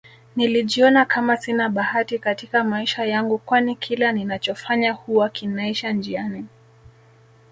Nilijiona Kama Sina bahati Katika maisha yangu kwani kila ninacho fanya huwa kinaisha njiani